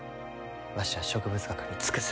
わしは植物学に尽くす。